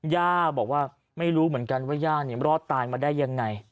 ย่าบอกว่าไม่รู้เหมือนกันว่าย่ารอดตายมาได้ยังไง